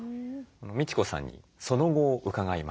みち子さんにその後を伺いました。